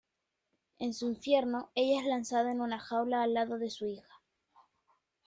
En su infierno, ella es lanzada en una jaula al lado de su hija.